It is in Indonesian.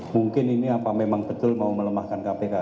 mungkin ini apa memang betul mau melemahkan kpk